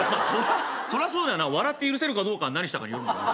そりゃそうだよな笑って許せるかどうかは何したかによるもんな。